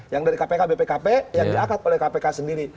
yang dari kpk bpkp yang diangkat oleh kpk sendiri